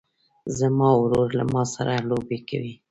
زما ورور له ما سره لوبې کوي.